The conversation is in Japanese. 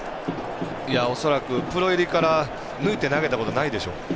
恐らくプロ入りから抜いて投げたことないでしょう。